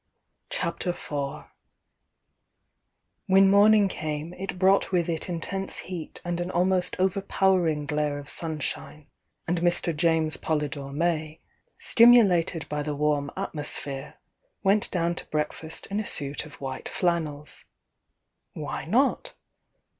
CHAPTER IV Whbn morning came it brought with it intense heat and an almost overpowering glare of sunshine, and Mr. James Polydore May, stimulated by the warm atmosphere, went down to breakfast in a suit of white flannels. Why not?